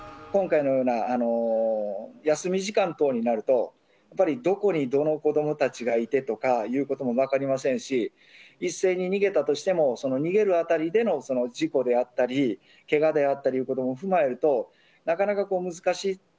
今回のような休み時間等になると、やっぱりどこにどの子どもたちがいてというようなことも分かりませんし、一斉に逃げたとしても、その逃げるあたりでの事故であったり、けがであったりということを踏まえると、なかなか難しい。